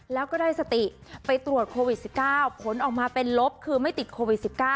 แล้วก็ได้สติไปตรวจโควิด๑๙ผลออกมาเป็นลบคือไม่ติดโควิด๑๙